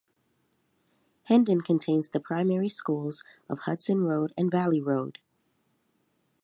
Hendon contains the primary schools of Hudson Road and Valley Road.